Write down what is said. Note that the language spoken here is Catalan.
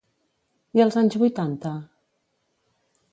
I als anys vuitanta?